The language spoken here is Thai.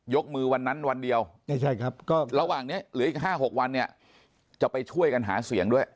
มือวันนั้นวันเดียวระหว่างนี้เหลืออีก๕๖วันเนี่ยจะไปช่วยกันหาเสียงด้วย